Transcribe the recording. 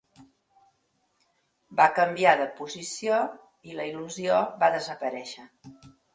Va canviar de posició i la il·lusió va desaparèixer.